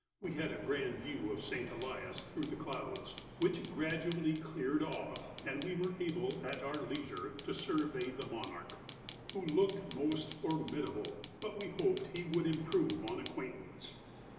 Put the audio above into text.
We had a grand view of St. Elias through the clouds, which gradually cleared off, and we were able at our leisure to survey the monarch, who looked most formidable, but we hoped he would improve on acquaintance.